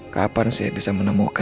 kapan saya bisa menemukan